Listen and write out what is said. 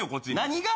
何が？